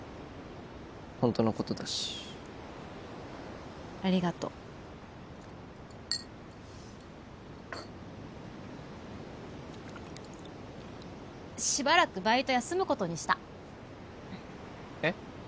ホントのことだしありがとうしばらくバイト休むことにしたえっ？